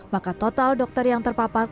maka total dokter yang terpapar